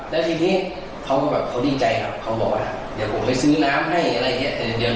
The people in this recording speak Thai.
เดี๋ยวผมไปซื้อบ้านซื้อน้ำให้อะไรอย่างเงี้ย